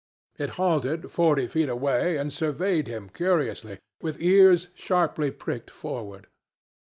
It halted forty feet away and surveyed him curiously, with ears sharply pricked forward.